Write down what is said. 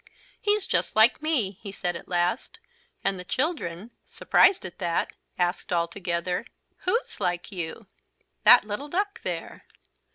"He's just like me," he said at last, and the children, surprised at that, asked all together: "Who's like you?" "That little duck there."